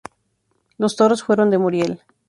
Los toros fueron de Muriel.